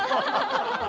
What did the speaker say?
ハハハ！